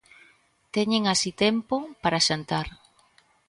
Teñen así tempo para xantar.